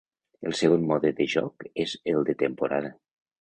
El segon mode de joc és el de temporada.